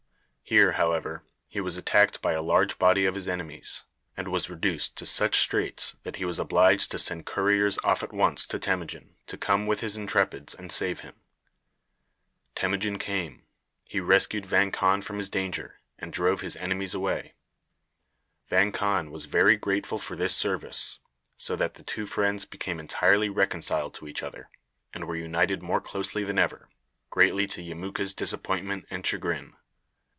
Here, however, he was attacked by a large body of his enemies, and was reduced to such straits that he was obliged to send couriers off at once to Temujin to come with his intrepids and save him. Temujin came. He rescued Vang Khan from his danger, and drove his enemies away. Vang Khan was very grateful for this service, so that the two friends became entirely reconciled to each other, and were united more closely than ever, greatly to Yemuka's disappointment and chagrin.